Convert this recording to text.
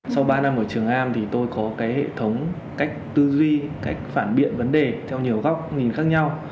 sau ba năm ở trường am thì tôi có cái hệ thống cách tư duy cách phản biện vấn đề theo nhiều góc nhìn khác nhau